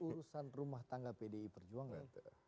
ini kan urusan rumah tangga pdi perjuangan